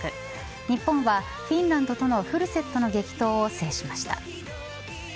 日本はフィンランドとのフルセットの激闘を制しました。